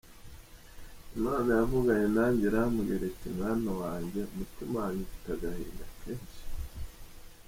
Imana yavuganye nanjye irambwira iti mwana wanjye, umutima wanjye ufite agahinda kenshi.